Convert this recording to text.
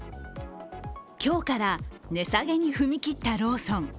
今日から値下げに踏み切ったローソン。